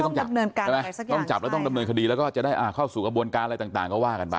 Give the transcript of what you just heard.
ต้องจับแล้วต้องดำเนินคดีแล้วก็จะได้เข้าสู่กระบวนการอะไรต่างก็ว่ากันไป